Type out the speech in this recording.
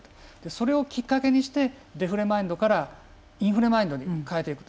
それをきっかけにしてデフレマインドからインフレマインドに変えていく。